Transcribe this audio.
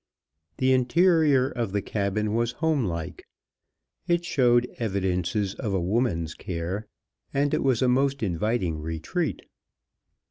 The interior of the cabin was home like. It showed evidences of a woman's care, and it was a most inviting retreat.